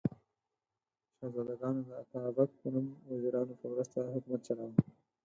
شهزادګانو د اتابک په نوم وزیرانو په مرسته حکومت چلاوه.